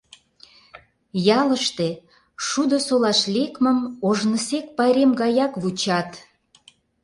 Ялыште шудо солаш лекмым ожнысек пайрем гаяк вучат.